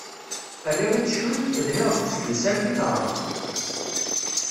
Rriɣ i teccuyt, dhiɣ deg usekles armi terɣa.